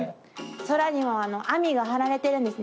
空にも網が張られてるんですね。